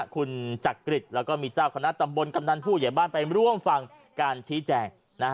คุณจักริตแล้วก็มีเจ้าคณะตำบลกำนันผู้ใหญ่บ้านไปร่วมฟังการชี้แจง